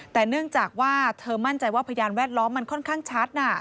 แต่เนื่องจากว่าเธอมั่นใจว่าพยานแวดล้อมมันค่อนข้างชัด